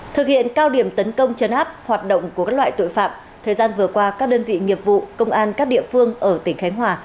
thực hiện cao điểm tấn công chấn áp hoạt động của các loại tội phạm thời gian vừa qua các đơn vị nghiệp vụ công an các địa phương ở tỉnh khánh hòa